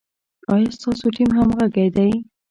ایا ستاسو ټیم همغږی دی؟